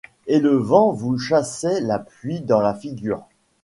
Et le vent vous chassait la pluie dans la figure.